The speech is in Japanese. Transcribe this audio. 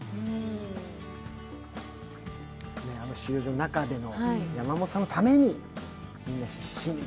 あの収容所の中での山本さんのためにという、みんな必死に。